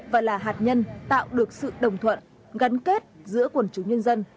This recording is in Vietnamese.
và là hạt nhân tạo được sự đồng thuận gắn kết giữa quần chúng nhân dân